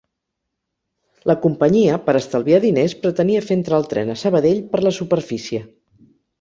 La companyia, per estalviar diners, pretenia fer entrar el tren a Sabadell per la superfície.